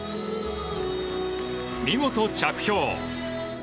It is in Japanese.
見事、着氷。